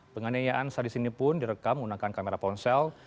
penganiayaan sadis ini pun direkam menggunakan kamera ponsel